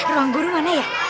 ruang guru mana ya